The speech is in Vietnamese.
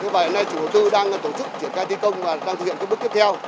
và hiện nay chủ tư đang tổ chức triển khai thi công và đang thực hiện bước tiếp theo